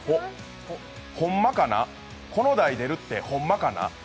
ほんまかな、この台出るって、ほんまかな。